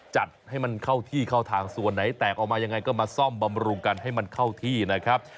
จัดให้มันเข้าที่เข้าทางส่วนไหนแตกออกมายังไงก็มาซ่อมบำรุงกันให้มันเข้าที่นะครับ